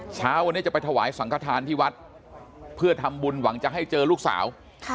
เช้าวันนี้จะไปถวายสังขทานที่วัดเพื่อทำบุญหวังจะให้เจอลูกสาว